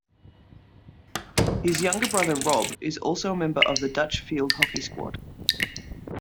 His younger brother Rob is also a member of the Dutch field hockey squad.